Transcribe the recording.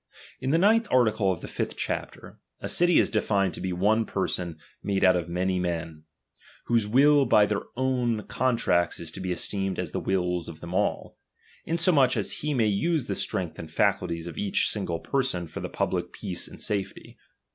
In the ninth article of the fifth chapter, a city is defined to be oiie person made out of many men, whose will by their own con tracts is to be esteemed as the wills of them all ; insomuch as he may use the strength and facidties DOMINION. 131 of each single person for the public peace and chap. ■ safety.